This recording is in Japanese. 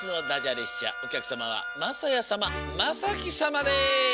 列車おきゃくさまはまさやさままさきさまです。